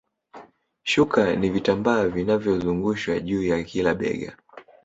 Shuka ni vitambaa vinavyozungushwa juu ya kila bega